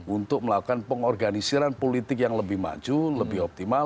untuk melakukan pengorganisiran politik yang lebih maju lebih optimal